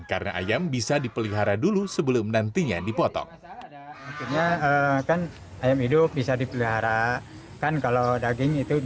karena ayam bisa dipelihara dulu sebelum nantinya dipotong